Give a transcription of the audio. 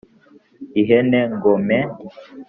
ihene ngo me